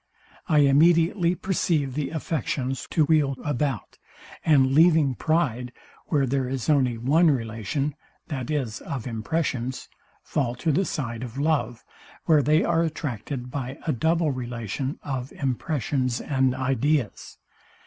I immediately perceive the affections wheel to about, and leaving pride, where there is only one relation, viz, of impressions, fall to the side of love, where they are attracted by a double relation of impressions and ideas.